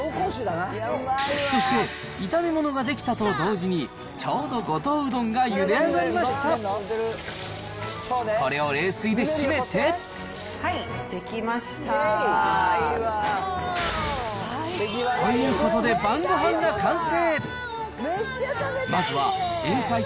そして炒め物が出来たと同時に、ちょうど五島うどんがゆで上がりはい、ということで晩ごはんが完成。